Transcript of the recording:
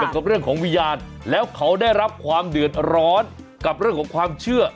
กับเรื่องของวิญญาณแล้วเขาได้รับความเดือดร้อนกับเรื่องของความเชื่อ